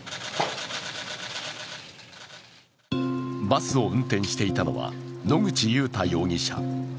バスを運転していたのは野口祐太容疑者。